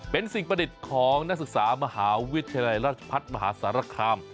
เป็นสิ่งประดิษฐ์ของนักศึกษามหาวิทยาลัยราชพัฒน์มหาสารคาม